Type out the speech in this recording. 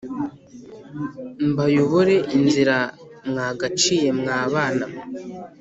Mbayobore inzira mwagaciye mwa bana mwe